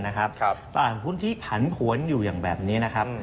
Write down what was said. ตลาดหุ้นที่ผันผวนอยู่อย่างแบบนี้นะครับ